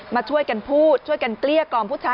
มาช่วยกันพูดช่วยกันเกลี้ยกล่อมผู้ชาย